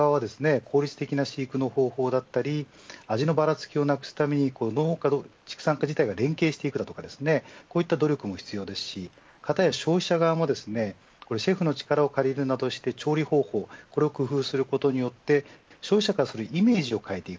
効率的な飼育の方法だったり味のばらつきをなくすためにの畜産課自体が連携していくとかこういった努力も必要ですしかたや消費者側もシェフの力を借りるなどして調理方法これを工夫することによって消費者からするイメージを変えていく。